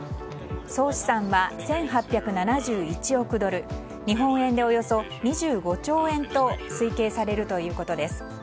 総資産は１８７１億ドル日本円でおよそ２５兆円と推計されるということです。